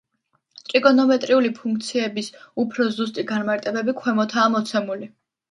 ტრიგონომეტრიული ფუნქციების უფრო ზუსტი განმარტებები ქვემოთაა მოცემული.